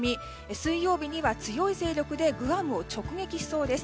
水曜日には強い勢力でグアムを直撃しそうです。